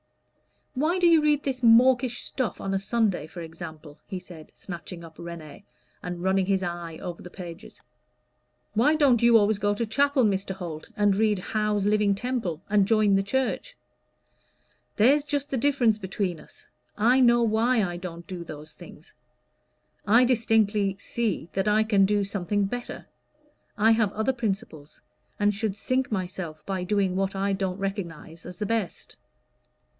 "Why do you read this mawkish stuff on a Sunday, for example?" he said, snatching up "Réné," and running his eye over the pages. "Why don't you always go to chapel, Mr. Holt, and read Howe's 'Living Temple,' and join the church?" "There's just the difference between us I know why I don't do those things. I distinctly see that I can do something better. I have other principles, and should sink myself by doing what I don't recognize as the best."